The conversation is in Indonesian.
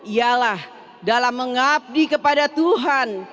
ialah dalam mengabdi kepada tuhan